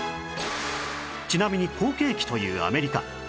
ちなみに好景気というアメリカ